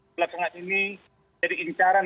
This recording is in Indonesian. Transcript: melakukan ini jadi incaran